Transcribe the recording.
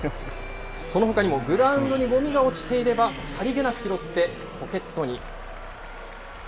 そのほかにも、グラウンドにごみが落ちていれば、さりげなく拾ってポケットに。